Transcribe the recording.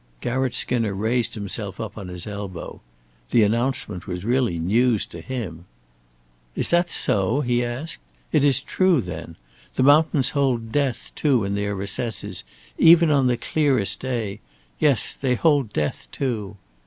Garratt Skinner raised himself up on his elbow. The announcement was really news to him. "Is that so?" he asked. "It is true, then. The mountains hold death too in their recesses even on the clearest day yes, they hold death too!"